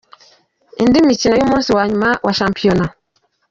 Indi mikino y’umunsi wa nyuma wa Shampiona.